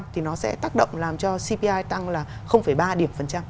thì nó sẽ tác động làm cho cpi tăng là ba điểm phần trăm